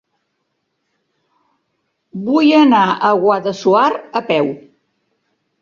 Vull anar a Guadassuar a peu.